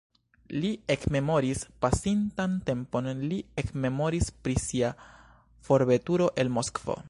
Li ekmemoris pasintan tempon, li ekmemoris pri sia forveturo el Moskvo.